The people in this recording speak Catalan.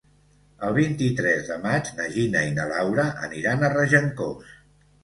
El vint-i-tres de maig na Gina i na Laura aniran a Regencós.